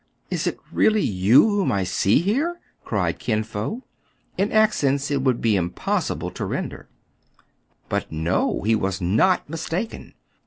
Is it really you whom I see here ?cried Kin Fo, in accents it would be impossible to render. But, no ! he was not mistaken.